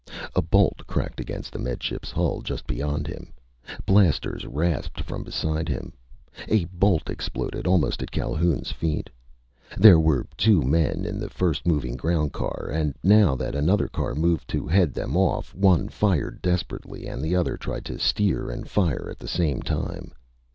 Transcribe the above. A bolt crackled against the Med Ship's hull just beyond him. Blasters rasped from beside him. A bolt exploded almost at Calhoun's feet. There were two men in the first moving ground car, and now that another car moved to head them off, one fired desperately and the other tried to steer and fire at the same time.